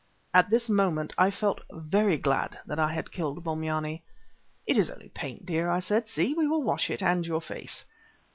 At this moment I felt very glad that I had killed Bombyane. "It is only paint, dear," I said; "see, we will wash it and your face."